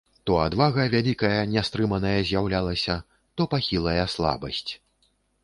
То адвага вялікая, нястрыманая з'яўлялася, то пахілая слабасць.